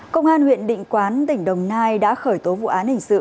công an huyện định quán tỉnh đồng nai đã khởi tố vụ án hình sự